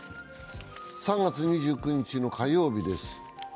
３月２９日の火曜日です。